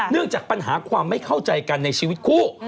จากปัญหาความไม่เข้าใจกันในชีวิตคู่